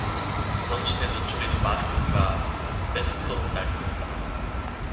영신의 눈초리는 마주 쳐다보기가 매섭도록 날카롭다.